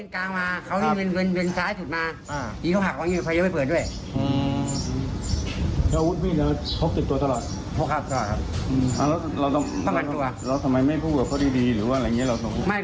ก็หิกตัวทาราต